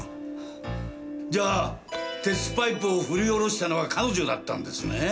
じゃあ鉄パイプを振り下ろしたのは彼女だったんですね？